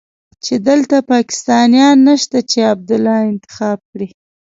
چې دلته پاکستانيان نشته چې عبدالله انتخاب کړي.